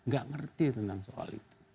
gak ngerti tentang soal itu